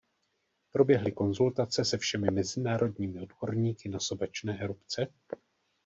Proběhly konzultace se všemi mezinárodními odborníky na sopečné erupce?